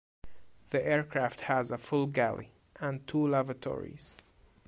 The aircraft has a full galley and two lavatories.